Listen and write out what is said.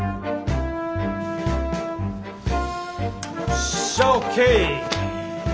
よっしゃＯＫ！